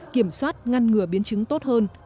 kiểm soát ngăn ngừa biến chứng tốt hơn